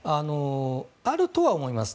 あるとは思います。